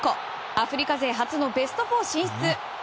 アフリカ勢初のベスト４進出。